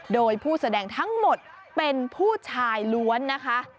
โดยผู้แสดงทั้งหมดเป็นผู้ชายล้วนนะคะ